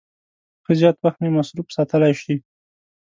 ښه زیات وخت مې مصروف ساتلای شي.